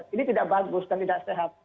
ini tidak bagus dan tidak sehat